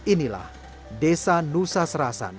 inilah desa nusa serasan